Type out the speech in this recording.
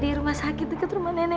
di rumah sakit dekat rumah nenek